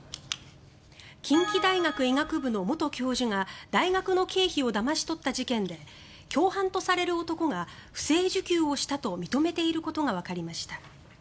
近畿大学医学部の元教授が大学の経費をだまし取った事件で共犯とされる男が不正受給をしたと認めていることがわかりました。